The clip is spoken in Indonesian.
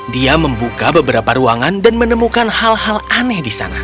dia membuka beberapa ruangan dan menemukan hal hal aneh di sana